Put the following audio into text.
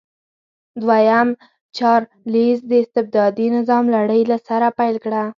دویم چارلېز د استبدادي نظام لړۍ له سره پیل کړه.